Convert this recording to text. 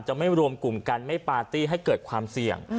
ไม่รวมกลุ่มกันไม่ปาร์ตี้ให้เกิดความเสี่ยง